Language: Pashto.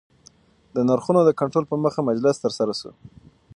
د نرخونو د کنټرول په موخه مجلس ترسره سو